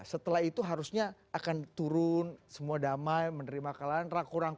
setelah itu harusnya akan turun semua damai menerima kalangan